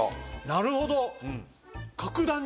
なるほど。